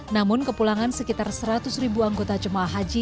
namun kepulangan sekitar seratus ribu anggota jemaah haji